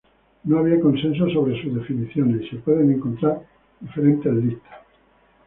No había consenso sobre sus definiciones, y se pueden encontrar diferentes listas.